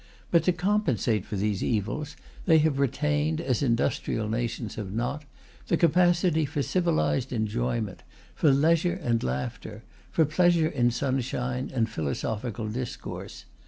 But, to compensate for these evils, they have retained, as industrial nations have not, the capacity for civilized enjoyment, for leisure and laughter, for pleasure in sunshine and philosophical discourse.